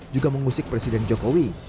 juga mengusik presiden jokowi